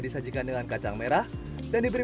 disajikan dengan kacang merah dan diberi